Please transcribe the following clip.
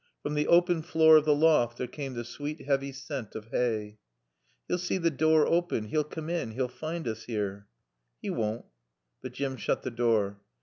From the open floor of the loft there came the sweet, heavy scent of hay. "He'll see the door open. He'll come in. He'll find us here." "He wawn't." But Jim shut the door.